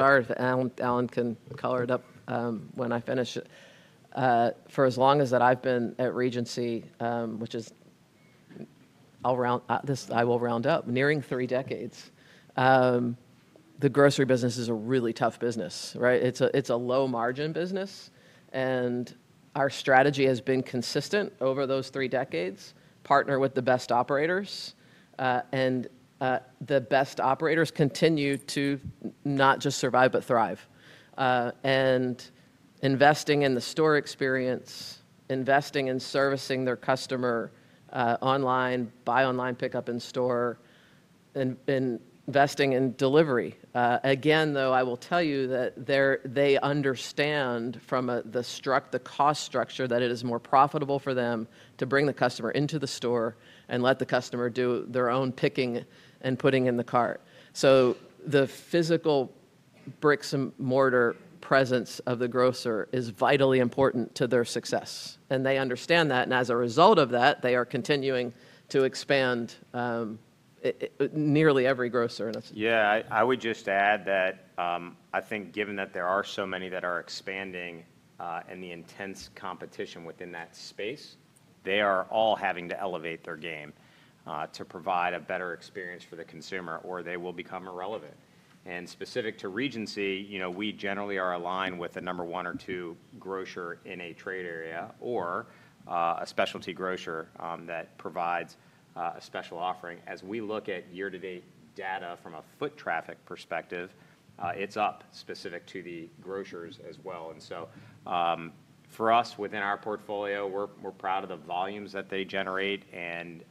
Start. Alan can color it up when I finish. For as long as I've been at Regency, which is, I will round up, nearing three decades, the grocery business is a really tough business. It's a low-margin business, and our strategy has been consistent over those three decades: partner with the best operators, and the best operators continue to not just survive but thrive. Investing in the store experience, investing in servicing their customer online, buy online, pick up in store, and investing in delivery. Again, though, I will tell you that they understand from the cost structure that it is more profitable for them to bring the customer into the store and let the customer do their own picking and putting in the cart. The physical bricks-and-mortar presence of the grocer is vitally important to their success, and they understand that. As a result of that, they are continuing to expand nearly every grocer in the U.S. Yeah. I would just add that I think given that there are so many that are expanding and the intense competition within that space, they are all having to elevate their game to provide a better experience for the consumer, or they will become irrelevant. Specific to Regency, we generally are aligned with a number one or two grocer in a trade area or a specialty grocer that provides a special offering. As we look at year-to-date data from a foot traffic perspective, it is up specific to the grocers as well. For us, within our portfolio, we are proud of the volumes that they generate and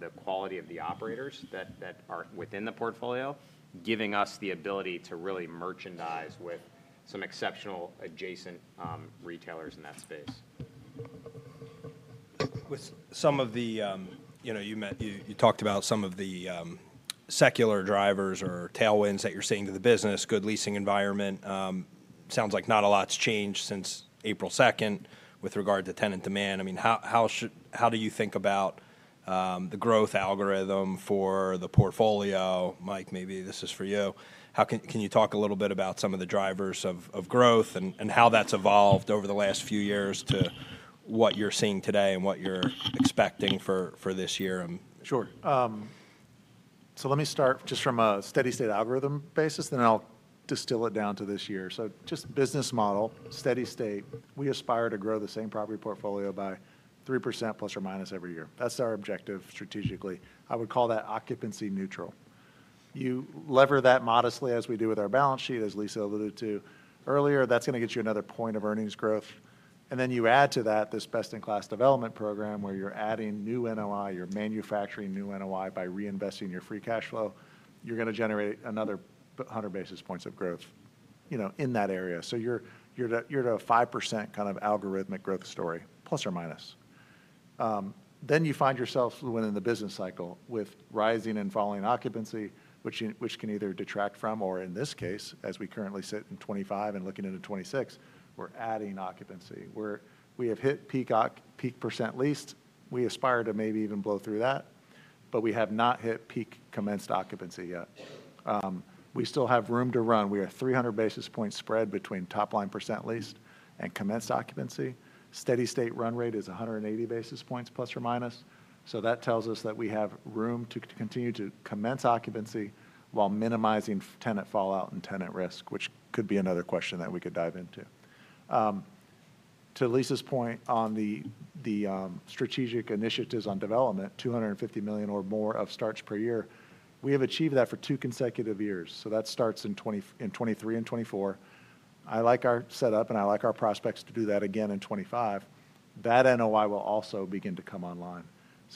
the quality of the operators that are within the portfolio, giving us the ability to really merchandise with some exceptional adjacent retailers in that space. With some of the, you talked about some of the secular drivers or tailwinds that you're seeing to the business, good leasing environment. Sounds like not a lot's changed since April 2nd with regard to tenant demand. I mean, how do you think about the growth algorithm for the portfolio? Mike, maybe this is for you. Can you talk a little bit about some of the drivers of growth and how that's evolved over the last few years to what you're seeing today and what you're expecting for this year? Sure. Let me start just from a steady-state algorithm basis, then I'll distill it down to this year. Just business model, steady-state. We aspire to grow the same property portfolio by 3% plus or minus every year. That's our objective strategically. I would call that occupancy neutral. You lever that modestly, as we do with our balance sheet, as Lisa alluded to earlier. That's going to get you another point of earnings growth. You add to that this best-in-class development program where you're adding new NOI. You're manufacturing new NOI by reinvesting your free cash flow. You're going to generate another 100 basis points of growth in that area. You're at a 5% kind of algorithmic growth story, plus or minus. You find yourself when in the business cycle with rising and falling occupancy, which can either detract from, or in this case, as we currently sit in 2025 and looking into 2026, we are adding occupancy. We have hit peak percent leased. We aspire to maybe even blow through that, but we have not hit peak commenced occupancy yet. We still have room to run. We are 300 basis points spread between top-line percent leased and commenced occupancy. Steady-state run rate is 180 basis points plus or minus. That tells us that we have room to continue to commence occupancy while minimizing tenant fallout and tenant risk, which could be another question that we could dive into. To Lisa's point on the strategic initiatives on development, $250 million or more of starts per year, we have achieved that for two consecutive years. That starts in 2023 and 2024. I like our setup, and I like our prospects to do that again in 2025. That NOI will also begin to come online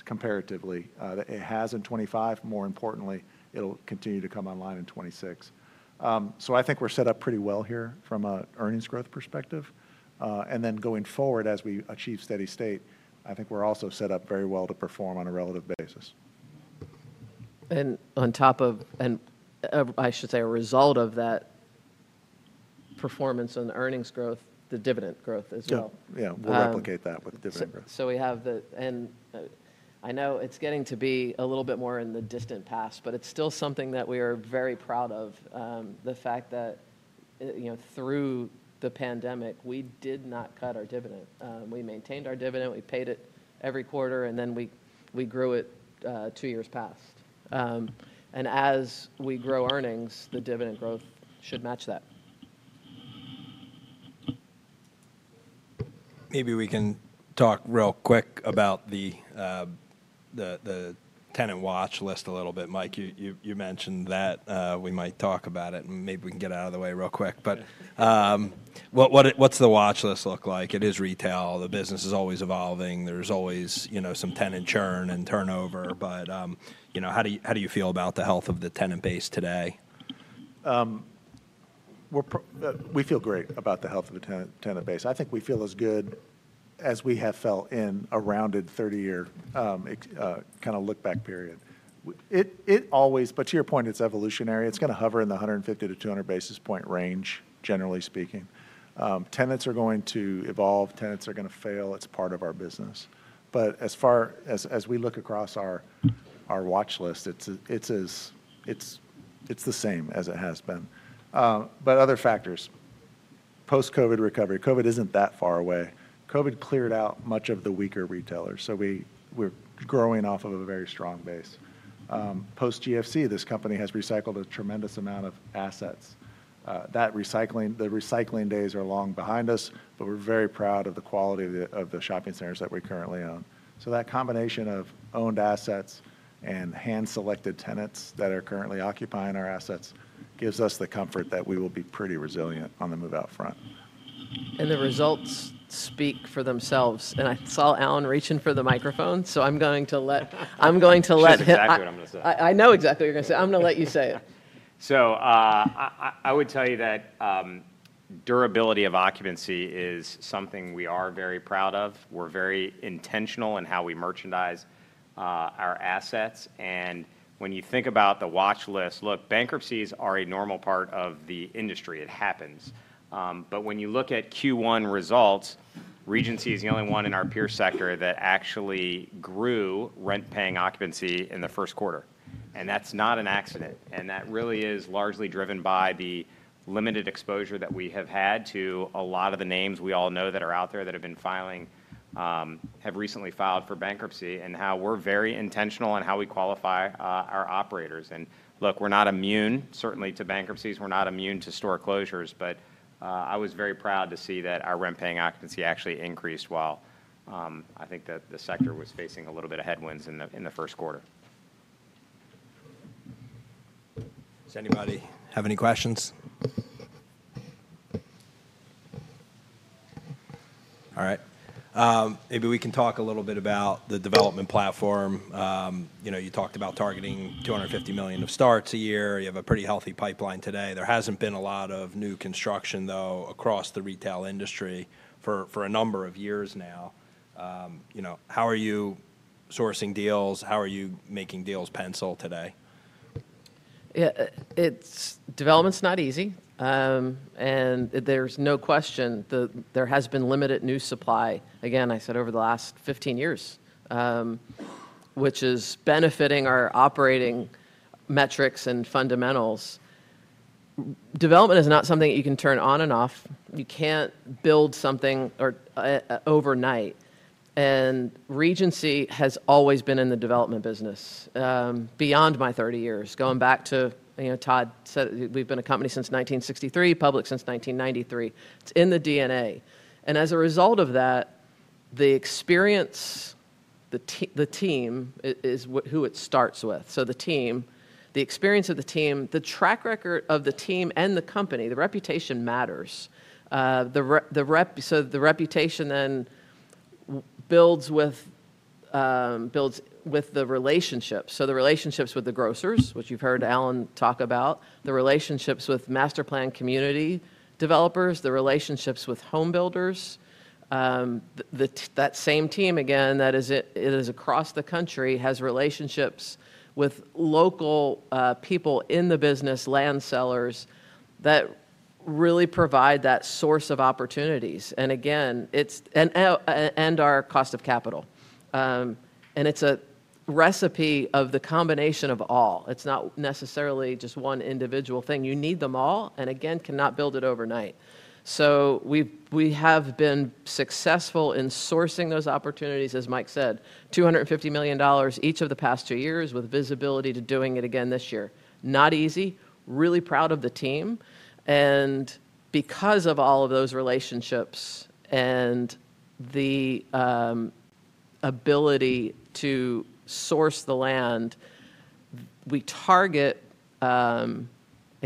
comparatively. It has in 2025. More importantly, it'll continue to come online in 2026. I think we're set up pretty well here from an earnings growth perspective. Going forward, as we achieve steady-state, I think we're also set up very well to perform on a relative basis. As a result of that performance and earnings growth, the dividend growth as well. Yeah. We'll replicate that with dividend growth. We have the, and I know it's getting to be a little bit more in the distant past, but it's still something that we are very proud of, the fact that through the pandemic, we did not cut our dividend. We maintained our dividend. We paid it every quarter, and then we grew it two years past. As we grow earnings, the dividend growth should match that. Maybe we can talk real quick about the tenant watch list a little bit. Mike, you mentioned that. We might talk about it, and maybe we can get out of the way real quick. What does the watch list look like? It is retail. The business is always evolving. There is always some tenant churn and turnover. How do you feel about the health of the tenant base today? We feel great about the health of the tenant base. I think we feel as good as we have felt in a rounded 30-year kind of look-back period. To your point, it's evolutionary. It's going to hover in the 150-200 basis point range, generally speaking. Tenants are going to evolve. Tenants are going to fail. It's part of our business. As far as we look across our watch list, it's the same as it has been. Other factors, post-COVID recovery. COVID isn't that far away. COVID cleared out much of the weaker retailers, so we're growing off of a very strong base. Post-GFC, this company has recycled a tremendous amount of assets. The recycling days are long behind us, but we're very proud of the quality of the shopping centers that we currently own. That combination of owned assets and hand-selected tenants that are currently occupying our assets gives us the comfort that we will be pretty resilient on the move-out front. The results speak for themselves. I saw Alan reaching for the microphone, so I'm going to let him. That's exactly what I'm going to say. I know exactly what you're going to say. I'm going to let you say it. I would tell you that durability of occupancy is something we are very proud of. We're very intentional in how we merchandise our assets. When you think about the watch list, look, bankruptcies are a normal part of the industry. It happens. When you look at Q1 results, Regency is the only one in our peer sector that actually grew rent-paying occupancy in the first quarter. That's not an accident. That really is largely driven by the limited exposure that we have had to a lot of the names we all know that are out there that have been filing, have recently filed for bankruptcy, and how we're very intentional in how we qualify our operators. Look, we're not immune, certainly, to bankruptcies. We're not immune to store closures. I was very proud to see that our rent-paying occupancy actually increased while I think that the sector was facing a little bit of headwinds in the first quarter. Does anybody have any questions? All right. Maybe we can talk a little bit about the development platform. You talked about targeting $250 million of starts a year. You have a pretty healthy pipeline today. There has not been a lot of new construction, though, across the retail industry for a number of years now. How are you sourcing deals? How are you making deals pencil today? Development's not easy. There's no question there has been limited new supply. Again, I said over the last 15 years, which is benefiting our operating metrics and fundamentals. Development is not something that you can turn on and off. You can't build something overnight. Regency has always been in the development business beyond my 30 years, going back to, said we've been a company since 1963, public since 1993. It's in the DNA. As a result of that, the experience, the team is who it starts with. The team, the experience of the team, the track record of the team and the company, the reputation matters. The reputation then builds with the relationships. The relationships with the grocers, which you've heard Alan talk about, the relationships with master plan community developers, the relationships with homebuilders. That same team, again, that is across the country, has relationships with local people in the business, land sellers that really provide that source of opportunities. Again, our cost of capital. It is a recipe of the combination of all. It is not necessarily just one individual thing. You need them all and, again, cannot build it overnight. We have been successful in sourcing those opportunities, as Mike said, $250 million each of the past two years with visibility to doing it again this year. Not easy. Really proud of the team. Because of all of those relationships and the ability to source the land, we target a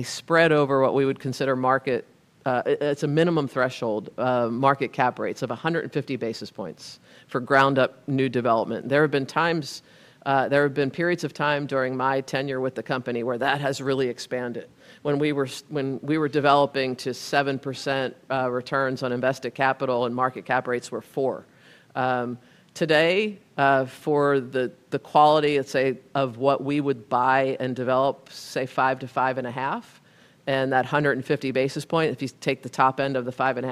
spread over what we would consider market. It is a minimum threshold market cap rates of 150 basis points for ground-up new development. There have been times, there have been periods of time during my tenure with the company where that has really expanded. When we were developing to 7% returns on invested capital and market cap rates were 4. Today, for the quality, let's say, of what we would buy and develop, say, 5-5.5, and that 150 basis point, if you take the top end of the 5.5,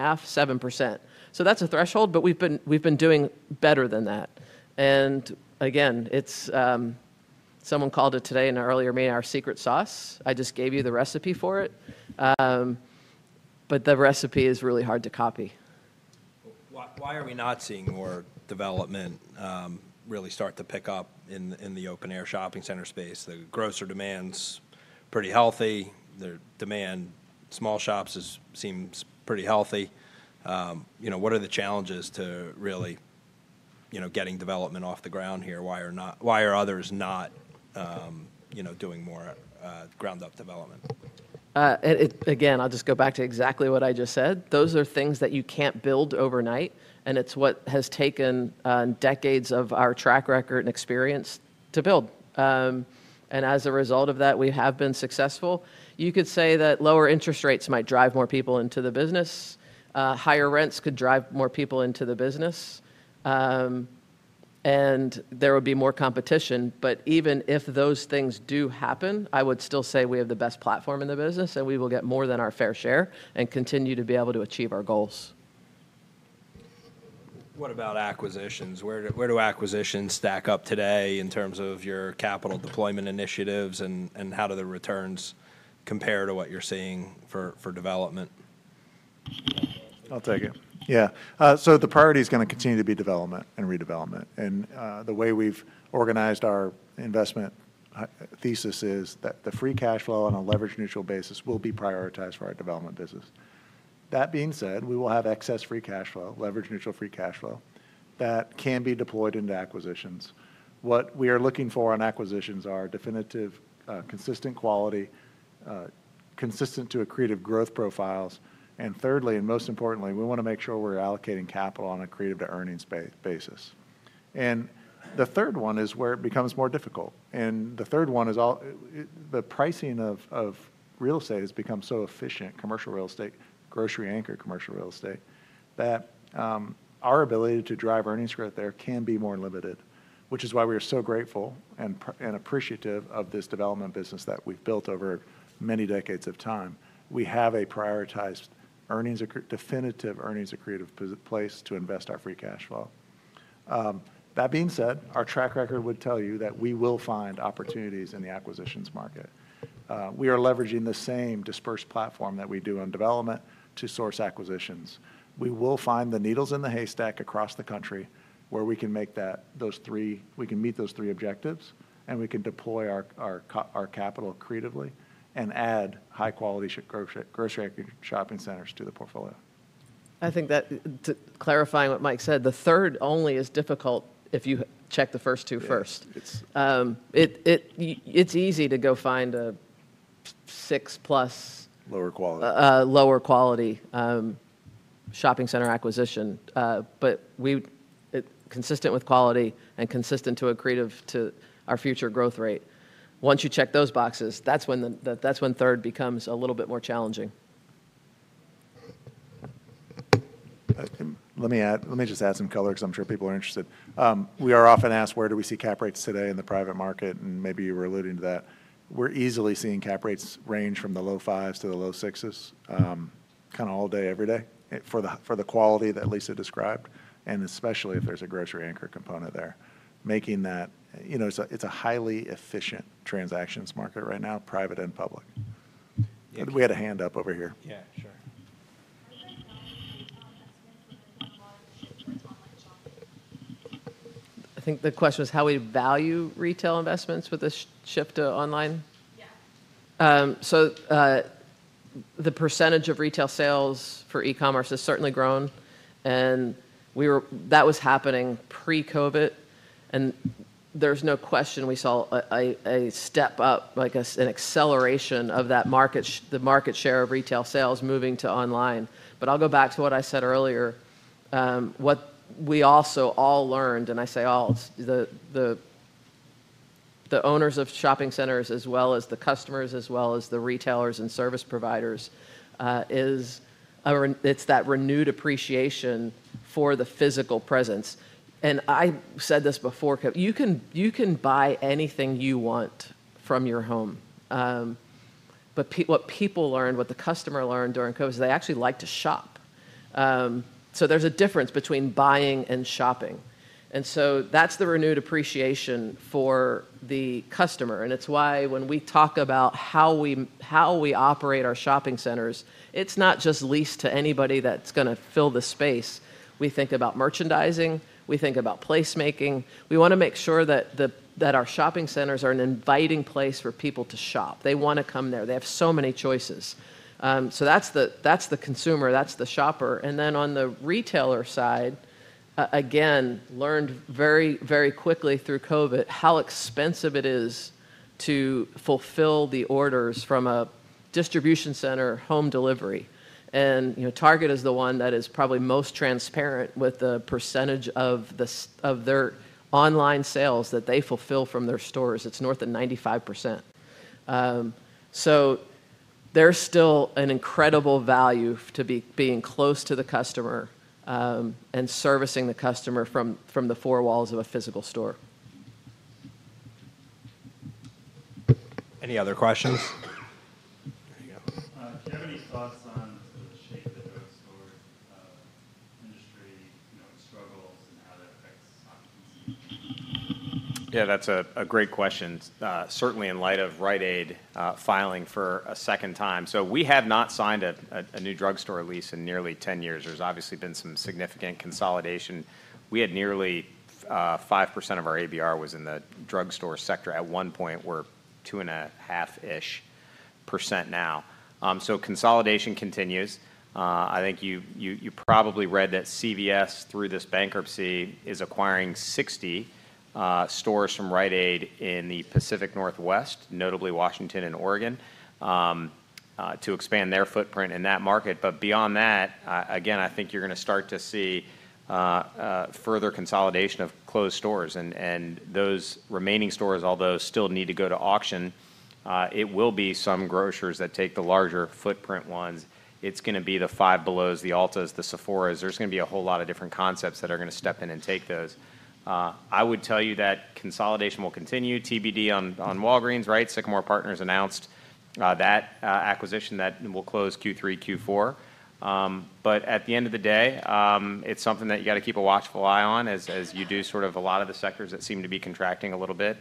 7%. That is a threshold, but we have been doing better than that. Again, someone called it today in an earlier meeting our secret sauce. I just gave you the recipe for it. The recipe is really hard to copy. Why are we not seeing more development really start to pick up in the open-air shopping center space? The grocer demand's pretty healthy. The demand small shops seems pretty healthy. What are the challenges to really getting development off the ground here? Why are others not doing more ground-up development? Again, I'll just go back to exactly what I just said. Those are things that you can't build overnight. It's what has taken decades of our track record and experience to build. As a result of that, we have been successful. You could say that lower interest rates might drive more people into the business. Higher rents could drive more people into the business. There would be more competition. Even if those things do happen, I would still say we have the best platform in the business, and we will get more than our fair share and continue to be able to achieve our goals. What about acquisitions? Where do acquisitions stack up today in terms of your capital deployment initiatives, and how do the returns compare to what you're seeing for development? I'll take it. Yeah. The priority is going to continue to be development and redevelopment. The way we've organized our investment thesis is that the free cash flow on a leveraged neutral basis will be prioritized for our development business. That being said, we will have excess free cash flow, leveraged neutral free cash flow that can be deployed into acquisitions. What we are looking for on acquisitions are definitive, consistent quality, consistent to accretive growth profiles. Thirdly, and most importantly, we want to make sure we're allocating capital on a accretive-to-earnings basis. The third one is where it becomes more difficult. The third one is the pricing of real estate has become so efficient, commercial real estate, grocery-anchored commercial real estate, that our ability to drive earnings growth there can be more limited, which is why we are so grateful and appreciative of this development business that we've built over many decades of time. We have a prioritized earnings, definitive earnings-accretive place to invest our free cash flow. That being said, our track record would tell you that we will find opportunities in the acquisitions market. We are leveraging the same dispersed platform that we do on development to source acquisitions. We will find the needles in the haystack across the country where we can meet those three objectives, and we can deploy our capital accretively and add high-quality grocery-anchored shopping centers to the portfolio. I think that clarifying what Mike Mas said, the third only is difficult if you check the first two first. It's easy to go find a six-plus. Lower quality. Lower quality shopping center acquisition. Consistent with quality and consistent to accretive to our future growth rate. Once you check those boxes, that's when third becomes a little bit more challenging. Let me just add some color because I'm sure people are interested. We are often asked, where do we see cap rates today in the private market? Maybe you were alluding to that. We're easily seeing cap rates range from the low fives to the low sixes kind of all day, every day for the quality that Lisa described, and especially if there's a grocery-anchored component there. Making that, it's a highly efficient transactions market right now, private and public. We had a hand up over here. Yeah, sure. I think the question was how we value retail investments with this shift to online. The percentage of retail sales for e-commerce has certainly grown. That was happening pre-COVID. There is no question we saw a step up, like an acceleration of the market share of retail sales moving to online. I will go back to what I said earlier. What we also all learned, and I say all, the owners of shopping centers as well as the customers as well as the retailers and service providers, is that renewed appreciation for the physical presence. I said this before, you can buy anything you want from your home. What people learned, what the customer learned during COVID, is they actually like to shop. There is a difference between buying and shopping. That is the renewed appreciation for the customer. It is why when we talk about how we operate our shopping centers, it is not just leased to anybody that is going to fill the space. We think about merchandising. We think about placemaking. We want to make sure that our shopping centers are an inviting place for people to shop. They want to come there. They have so many choices. That is the consumer. That is the shopper. On the retailer side, again, learned very, very quickly through COVID how expensive it is to fulfill the orders from a distribution center home delivery. Target is the one that is probably most transparent with the percentage of their online sales that they fulfill from their stores. It is north of 95%. There is still an incredible value to being close to the customer and servicing the customer from the four walls of a physical store. Any other questions? Do you have any thoughts on the shape that the store industry struggles and how that affects occupancy? Yeah, that's a great question. Certainly in light of Rite Aid filing for a second time. We have not signed a new drugstore lease in nearly 10 years. There has obviously been some significant consolidation. We had nearly 5% of our ABR in the drugstore sector at one point. We are 2.5% now. Consolidation continues. I think you probably read that CVS, through this bankruptcy, is acquiring 60 stores from Rite Aid in the Pacific Northwest, notably Washington and Oregon, to expand their footprint in that market. Beyond that, I think you are going to start to see further consolidation of closed stores. Those remaining stores, although they still need to go to auction, it will be some grocers that take the larger footprint ones. It is going to be the Five Below, the Ulta, the Sephora. There's going to be a whole lot of different concepts that are going to step in and take those. I would tell you that consolidation will continue. TBD on Walgreens, right? Sycamore Partners announced that acquisition that will close Q3, Q4. At the end of the day, it's something that you got to keep a watchful eye on as you do sort of a lot of the sectors that seem to be contracting a little bit.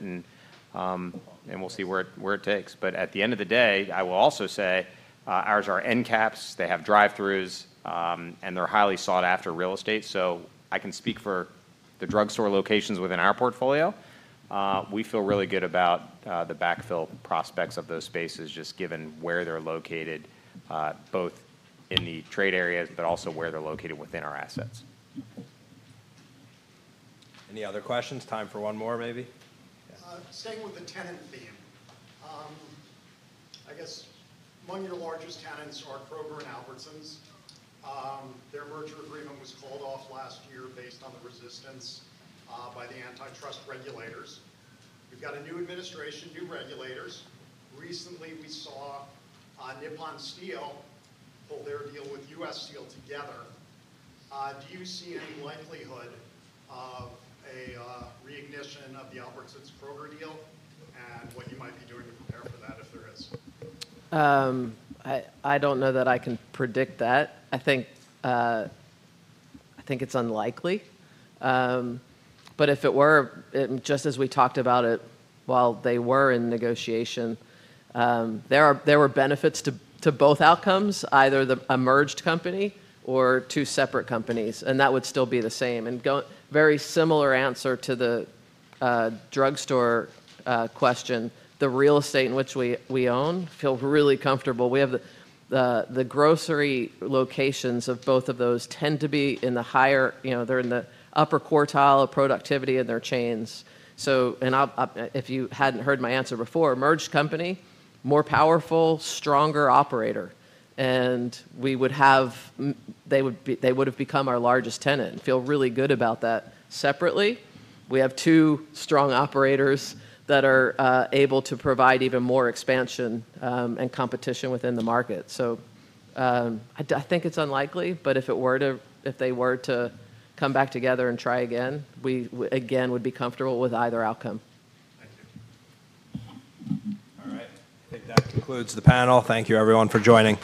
We'll see where it takes. At the end of the day, I will also say ours are end caps. They have drive-throughs, and they're highly sought-after real estate. I can speak for the drugstore locations within our portfolio. We feel really good about the backfill prospects of those spaces just given where they're located, both in the trade areas, but also where they're located within our assets. Any other questions? Time for one more, maybe? Same with the tenant theme. I guess among your largest tenants are Kroger and Albertsons. Their merger agreement was called off last year based on the resistance by the antitrust regulators. We've got a new administration, new regulators. Recently, we saw Nippon Steel pull their deal with U.S. Steel together. Do you see any likelihood of a reignition of the Albertsons-Kroger deal and what you might be doing to prepare for that if there is? I don't know that I can predict that. I think it's unlikely. If it were, just as we talked about it while they were in negotiation, there were benefits to both outcomes, either the merged company or two separate companies. That would still be the same. A very similar answer to the drugstore question, the real estate in which we own feels really comfortable. We have the grocery locations of both of those tend to be in the higher, they're in the upper quartile of productivity in their chains. If you hadn't heard my answer before, merged company, more powerful, stronger operator. We would have, they would have become our largest tenant. Feel really good about that. Separately, we have two strong operators that are able to provide even more expansion and competition within the market. I think it's unlikely. If they were to come back together and try again, we again would be comfortable with either outcome. Thank you. All right. I think that concludes the panel. Thank you, everyone, for joining.